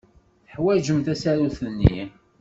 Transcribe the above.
Teḥwajem tasarut-nni?